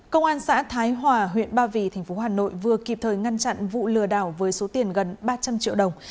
công an xã thái hòa huyện ba vì tp hà nội vừa kịp thời ngăn chặn vụ lừa đảo với số tiền gần ba trăm linh triệu đồng